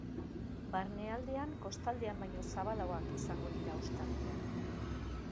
Barnealdean, kostaldean baino zabalagoak izango dira ostarteak.